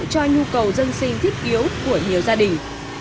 những chiếc ấm này phục vụ cho nhu cầu dân sinh thích yếu của nhiều gia đình